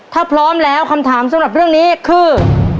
ถ้าพร้อมแล้วคำถามสำหรับเรื่องนี้คือ